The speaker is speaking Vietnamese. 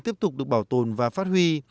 tiếp tục được bảo tồn và phát huy